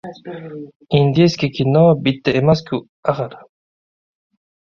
— Indiyskiy kino bitta emas-ku, axir!